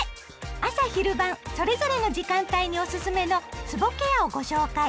朝・昼・晩それぞれの時間帯におすすめのつぼケアをご紹介。